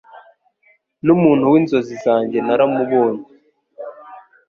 numuntu w'inzozi zanjye naramubonye